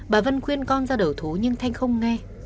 bà vân khuyên con ra đầu thú nhưng thanh không nghe